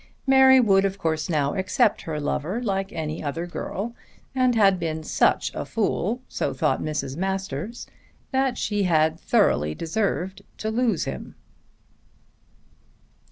Mary would of course now accept her lover like any other girl, and had been such a fool, so thought Mrs. Masters, that she had thoroughly deserved to lose him.